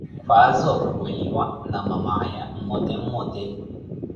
Khaaza okhuweliwa na mamaya, mmote mmote.